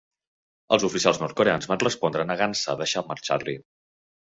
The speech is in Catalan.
Els oficials nord-coreans van respondre negant-se a deixar marxar Ri.